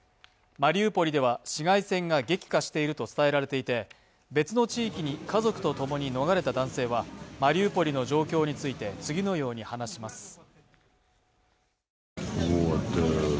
マリウポリでは市街戦が激化していると伝えられていて、別の地域に家族とともに逃れた男性はマリウポリの状況について次のように話します。